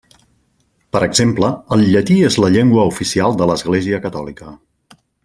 Per exemple, el llatí és la llengua oficial de l'església catòlica.